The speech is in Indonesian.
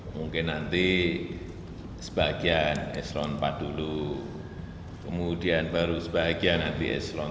mungkin nanti sebagian eselon empat dulu kemudian baru sebagian nanti eselon dua